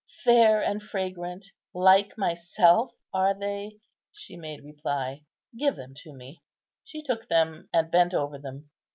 "Fair and fragrant, like myself, are they?" she made reply. "Give them to me." She took them, and bent over them.